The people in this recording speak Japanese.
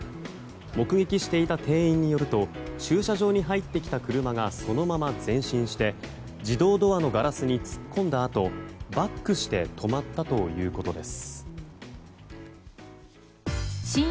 目撃していた店員によると駐車場に入ってきた車がそのまま前進して自動ドアのガラスに突っ込んだあとバックして止まったということです。